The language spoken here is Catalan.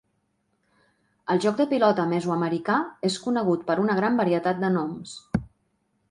El joc de pilota mesoamericà és conegut per una gran varietat de noms.